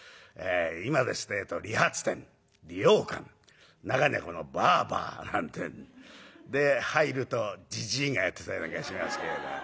今ですってえと理髪店理容館中にはこの「バーバー」なんて。で入るとじじいがやってたりなんかしますけれど。